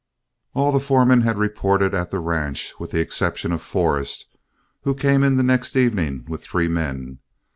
All the foremen had reported at the ranch, with the exception of Forrest, who came in the next evening with three men.